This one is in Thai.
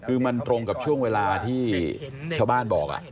คือมันตรงกับช่วงเวลาที่ชาวบ้านบอก